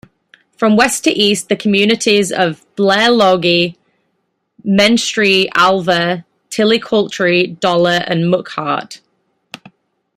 From west to east the communities are Blairlogie, Menstrie, Alva, Tillicoultry, Dollar and Muckhart.